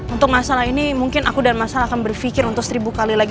untuk mas sal ini mungkin aku dan mas sal akan berfikir untuk seribu kali lagi